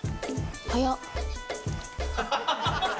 早っ。